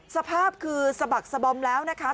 สภาพคือสะบักสะบอมแล้วนะคะ